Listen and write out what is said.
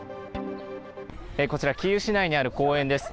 こちら、キーウ市内にある公園です。